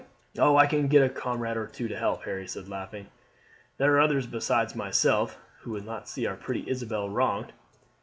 "Oh, I can get a comrade or two to help," Harry said laughing. "There are others besides myself who will not see our pretty Isabel wronged."